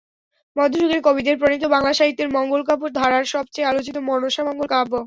মধ্যযুগের কবিদের প্রণীত বাংলা সাহিত্যের মঙ্গলকাব্য ধারার সবচেয়ে আলোচিত মনসামঙ্গল কাব্য।